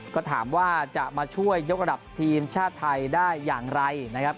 ก็ถามว่าจะมาช่วยยกระดับทีมชาติไทยได้อย่างไรนะครับ